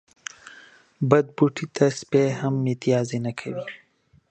بد بوټي ته سپي هم متازې نه کوی